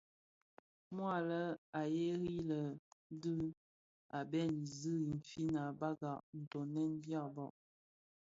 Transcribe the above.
Mua a lè a gheri lè dhib a bhen i zi infin i bagha ntoňèn dhyaba.